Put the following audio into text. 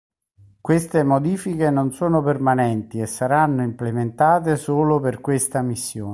Queste modifiche non sono permanenti e saranno implementate solo per questa missione.